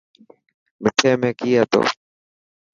مٺي ۾ ڪئي هتو؟